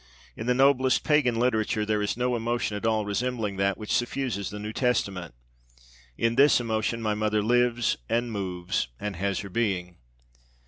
In the noblest pagan literature there is no emotion at all resembling that which suffuses the New Testament. In this emotion my mother lives and moves and has her being.